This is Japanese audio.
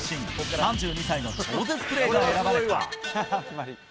３２歳の超絶プレーが選ばれた。